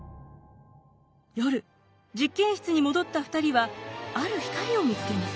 夜実験室に戻った２人はある光を見つけます。